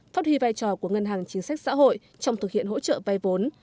phát huy vai trò của ngân hàng chính sách xã hội trong thực hiện hỗ trợ vay vốn